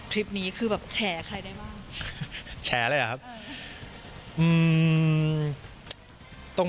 ทริปนี้คือแบบแฉใครได้บ้าง